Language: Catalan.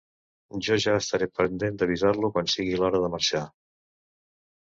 Jo ja estaré pendent d'avisar-lo quan sigui l'hora de marxar.